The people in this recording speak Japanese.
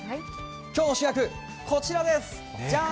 今日の主役、こちらです！